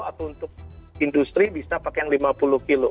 atau untuk industri bisa pakai yang lima puluh kilo